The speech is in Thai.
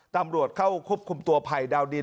ตำรวจเข้าควบคุมตัวภัยดาวดิน